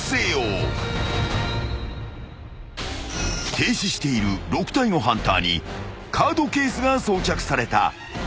［停止している６体のハンターにカードケースが装着された］